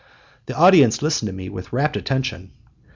The audience listened to me with rapt attention.